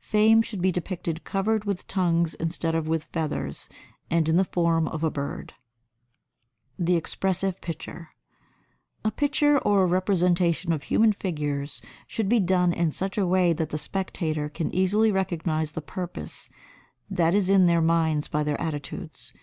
Fame should be depicted covered with tongues instead of with feathers and in the form of a bird. [Sidenote: The Expressive Picture] 88. A picture or a representation of human figures should be done in such a way that the spectator can easily recognize the purpose that is in their minds by their attitudes.